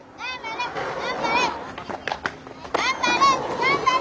頑張れ！